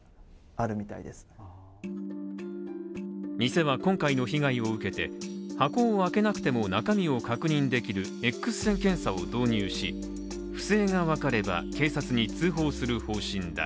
店は今回の被害を受けて、箱を開けなくても中身を確認できるＸ線検査を導入し不正が分かれば警察に通報する方針だ。